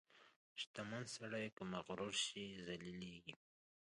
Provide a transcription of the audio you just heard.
• شتمن سړی که مغرور شي، ذلیلېږي.